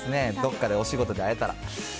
どっかでお仕事で会えたら。